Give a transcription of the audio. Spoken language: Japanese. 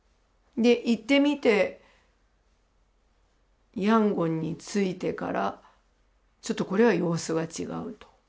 行ってみてヤンゴンに着いてからちょっとこれは様子が違うと。